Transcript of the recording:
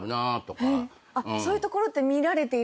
そういうところ見られている。